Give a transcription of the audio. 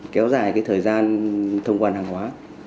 kéo dài cái thời gian thông quan hàng hóa